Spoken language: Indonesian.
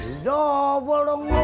udah bolong lu